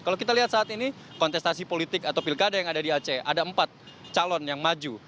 kalau kita lihat saat ini kontestasi politik atau pilkada yang ada di aceh ada empat calon yang maju